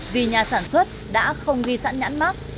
vì nhà sản xuất đã không ghi sẵn nhãn mát